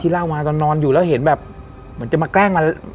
เล่ามาตอนนอนอยู่แล้วเห็นแบบเหมือนจะมาแกล้งมา